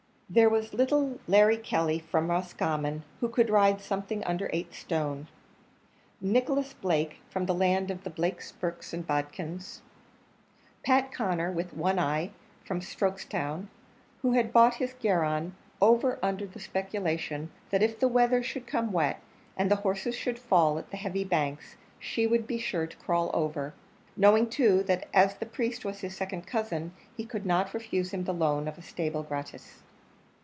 There was little Larry Kelly, from Roscommon, who could ride something under eight stone; Nicholas Blake, from the land of the Blakes, Burkes, and Bodkins; Pat Conner, with one eye, from Strokestown, who had brought his garron over under the speculation that if the weather should come wet, and the horses should fall at the heavy banks, she would be sure to crawl over, knowing, too, that as the priest was his second cousin, he could not refuse him the loan of a stable gratis.